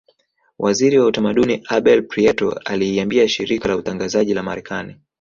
Waziri wa utamaduni Abel Prieto aliiambia shirika la utangazaji la marekani